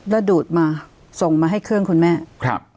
แล้วดูดมาส่งมาให้เครื่องคุณแม่ครับ